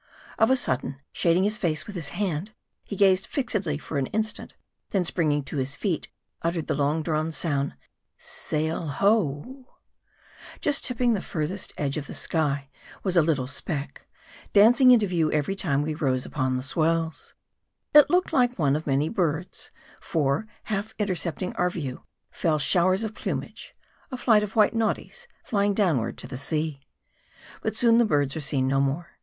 Of a sudden, shading his face with his hand, he gazed fixedly for an instant, and then springing to his feet, uttered the long drawn sound " Sail ho !" Just tipping the furthest edge of the sky was a little speck, dancing into view every time we rose upon the swells. It looked like one of many birds ; for half intercepting our view, fell showers of plumage : a flight of milk white nod dies flying downward to the sea. But soon the birds are seen no more.